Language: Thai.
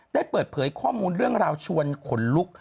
ได้เปิดเผยข้อมูลเรื่องราวชวนขนลุก